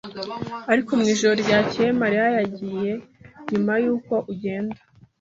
Ariko mwijoro ryakeye Mariya yagiye nyuma yuko ugenda.